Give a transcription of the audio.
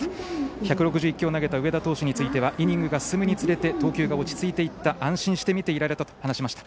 １６１球を投げた上田投手についてはイニングが進むにつれて投球が落ち着いていった安心して見ていられたと言っていました。